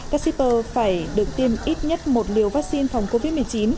ca shipper phải được tiêm ít nhất một liều vaccine phòng covid một mươi chín